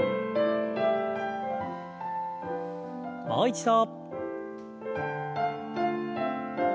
もう一度。